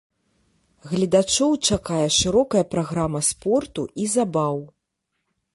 Гледачоў чакае шырокая праграма спорту і забаў.